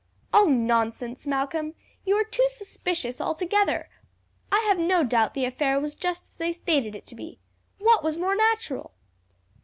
"Oh, nonsense, Malcolm, you are too suspicious altogether! I have no doubt the affair was just as they stated it to be. What was more natural?"